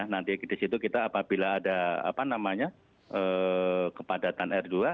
nanti di situ kita apabila ada kepadatan r dua